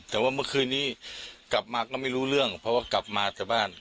แต่ว่าเมื่อคืนนี้กลับมาก็ไม่รู้เรื่องเพราะว่ากลับมาแต่บ้าน